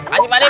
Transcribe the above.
kasih pak dek